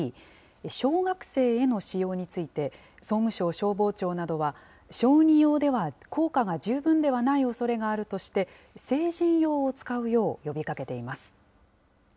小学生への使用について、総務省消防庁などは、小児用では効果が十分ではないおそれがあるとして、成人用を使うよう呼びかけています。